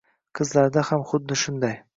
Qizlarda ham xuddi shunday.